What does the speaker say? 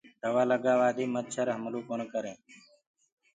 دوآ لگآوآ دي مڇر هملو ڪونآ ڪرينٚ۔